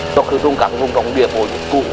được khử trùng các vùng đồng biệt hộ dịch cũ